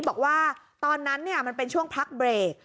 บอกว่าตอนนั้นมันเป็นช่วงพักเบรก